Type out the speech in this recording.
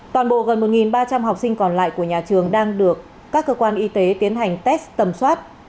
toàn bộ gần một ba trăm linh học sinh còn lại của nhà trường đang được các cơ quan y tế tiến hành test tầm soát